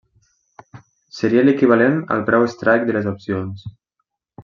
Seria l'equivalent al preu strike de les opcions.